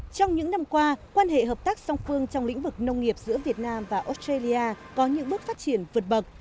trong những năm qua quan hệ hợp tác song phương trong lĩnh vực nông nghiệp giữa việt nam và australia có những bước phát triển vượt bậc